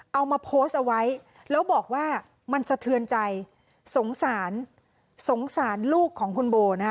เอามาโพสต์เอาไว้แล้วบอกว่ามันสะเทือนใจสงสารสงสารลูกของคุณโบนะฮะ